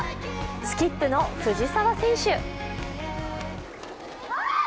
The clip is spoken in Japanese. スキップの藤澤選手。